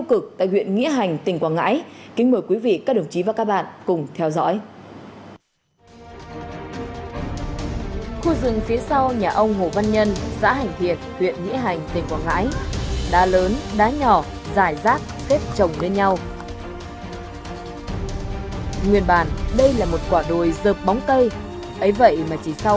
kính mời quý vị các đồng chí và các bạn cùng theo dõi